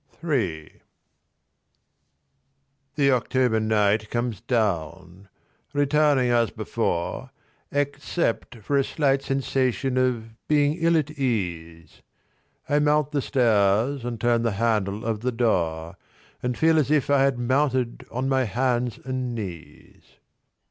III The October night comes down; returning as before Except for a slight sensation of being ill at ease I mount the stairs and turn the handle of the door And feel as if I had mounted on my hands and knees.